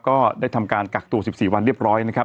ก็ได้ทำการกักตัว๑๔วันเรียบร้อยนะครับ